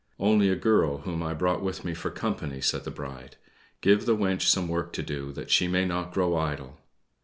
"Only a girl whom I brought with me for company," said the bride. "Give the wench some work to do, that she may not grow idle."